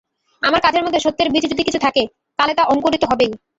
আমার কাজের মধ্যে সত্যের বীজ যদি কিছু থাকে, কালে তা অঙ্কুরিত হবেই।